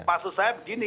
maksud saya begini